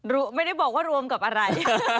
ไม่ได้บอกว่ารวมกับอะไร